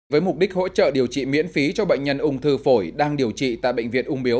với mục đích hỗ trợ điều trị miễn phí cho bệnh nhân ung thư phổi đang điều trị tại bệnh viện ung biếu